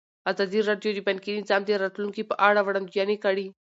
ازادي راډیو د بانکي نظام د راتلونکې په اړه وړاندوینې کړې.